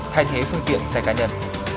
thay thế phương tiện xe cá nhân